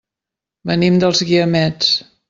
Venim dels Guiamets.